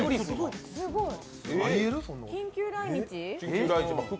緊急来日？